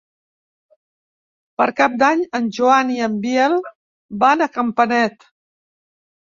Per Cap d'Any en Joan i en Biel van a Campanet.